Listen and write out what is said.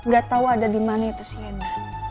gak tau ada dimana itu shena